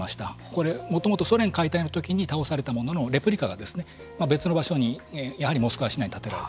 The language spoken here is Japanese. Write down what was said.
これもともとソ連解体の時に倒されたもののレプリカが別の場所にやはりモスクワ市内に建てられた。